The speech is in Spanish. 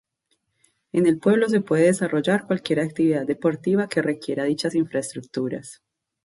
En el pueblo se puede desarrollar cualquier actividad deportiva que requiera dichas infraestructuras.